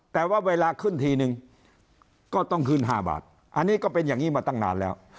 แต่ว่าเวลาขึ้นทีนึงก็ต้องขึ้น๕บาทอันนี้ก็เป็นอย่างนี้มาตั้งนานแล้ว